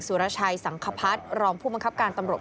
รชัยสังคพัฒน์รองผู้บังคับการตำรวจ